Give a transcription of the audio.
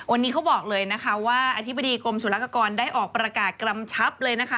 วันนี้เขาบอกเลยนะคะว่าอธิบดีกรมศุลกรได้ออกประกาศกำชับเลยนะคะ